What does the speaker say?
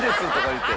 言うて。